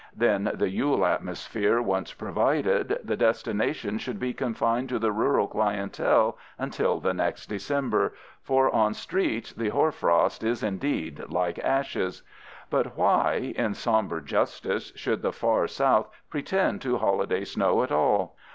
Then, the Yule atmosphere once provided, the distribution should be confined to the rural clientele until the next December, for on streets the hoar frost is indeed like ashes. But why, in somber justice, should the far South pretend to holiday snow at all?